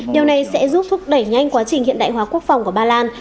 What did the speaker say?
điều này sẽ giúp thúc đẩy nhanh quá trình hiện đại hóa quốc phòng của ba lan